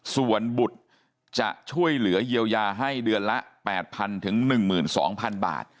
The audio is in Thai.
ส่วนบุตรจะช่วยเหลือเยียวยาให้เดือนละ๘๐๐๑๒๐๐๐บาท